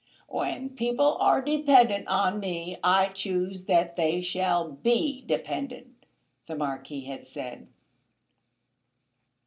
"When people are dependent on me I choose that they shall be dependent," the Marquis had said.